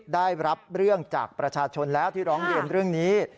ได้รับเรื่องจากประชาชนแล้วที่ร้องเรียนเรื่องนี้